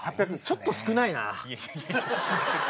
ちょっと少ないなぁ。